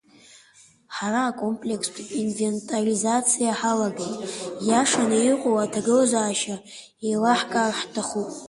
Ҳара акомплекстә инвентаризациа ҳалагеит, ииашаны иҟоу аҭагылазаашьа еилаҳкаар ҳҭахәуп.